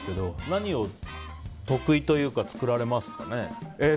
何が得意というか作られますか？